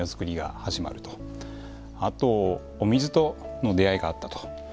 あとお水との出会いがあったと。